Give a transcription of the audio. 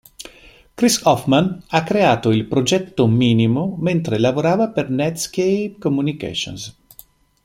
Chris Hofmann ha creato il progetto Minimo mentre lavorava per Netscape Communications.